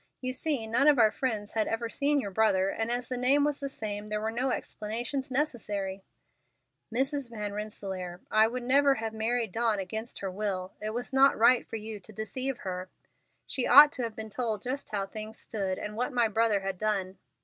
You see, none of our friends had ever seen your brother, and as the name was the same there were no explanations necessary." "Mrs. Van Rensselaer, I would never have married Dawn against her will. It was not right for you to deceive her. She ought to have been told just how things stood, and what my brother had done."